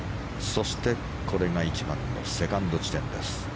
そして、これが１番のセカンド地点です。